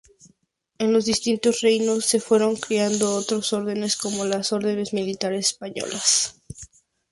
En los distintos reinos se fueron creando otras órdenes, como las órdenes militares españolas.